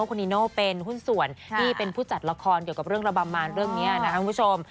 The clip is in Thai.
คุณนิโน่เป็นหุ้นส่วนที่เป็นผู้จัดละครเกี่ยวกับเรื่องระบำมานเรื่องนี้นะครับคุณผู้ชม